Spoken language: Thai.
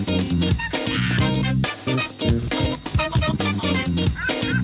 เผ้าใส่ไข่ซบกว่าไข่ไหม้กว่าเดิม